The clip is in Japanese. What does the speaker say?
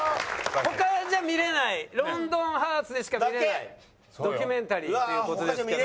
他じゃ見れない『ロンドンハーツ』でしか見れないドキュメンタリーという事ですけども。